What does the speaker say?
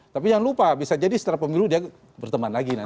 tapi jangan lupa bisa jadi setelah pemilu dia berteman lagi